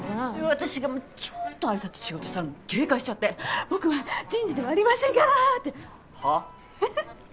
私がちょっと挨拶しようとしたら警戒しちゃって僕は人事ではありませんからってはぁ？